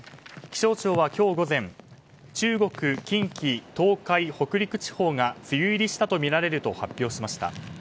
気象庁は今日午前中国・近畿・東海・北陸地方が梅雨入りしたとみられると発表しました。